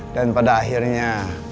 dan pada akhirnya